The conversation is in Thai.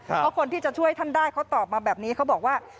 เพราะคนที่จะช่วยท่านได้เขาตอบมาแบบนี้เขาบอกว่า